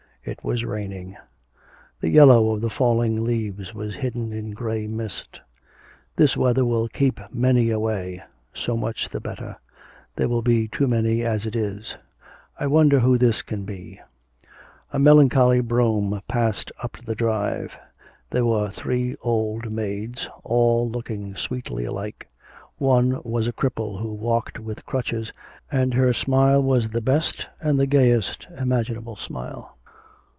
It was raining. The yellow of the falling leaves was hidden in grey mist. 'This weather will keep many away; so much the better; there will be too many as it is. I wonder who this can be.' A melancholy brougham passed up the drive. There were three old maids, all looking sweetly alike; one was a cripple who walked with crutches, and her smile was the best and the gayest imaginable smile.